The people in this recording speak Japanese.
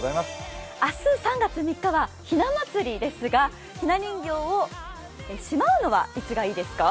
明日３月３日はひな祭りですがひな人形をしまうのはいつがいいですか？